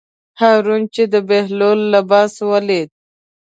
هارون چې د بهلول لباس ولید.